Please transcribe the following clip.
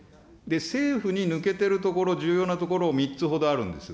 政府に抜けてるところ、重要なところ、３つほどあるんです。